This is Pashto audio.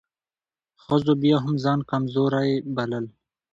ښځو بيا هم ځان کمزورۍ بلل .